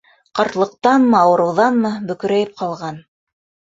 Ҡартлыҡтанмы, ауырыуҙанмы бөкөрәйеп ҡалған.